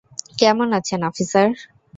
কেমন আছেন, অফিসার?